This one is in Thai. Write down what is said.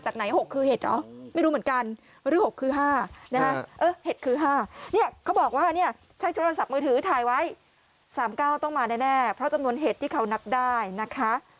เหตุคือ๕เนี่ยเขาบอกว่าเนี่ยใช้โทรศัพท์มือถือถ่ายไว้๓๙ต้องมาแน่เพราะจำนวนเหตุที่เขานับได้นะคะ